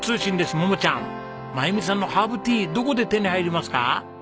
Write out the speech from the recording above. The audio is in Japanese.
桃ちゃん真由美さんのハーブティーどこで手に入りますか？